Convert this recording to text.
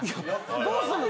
どうすんの？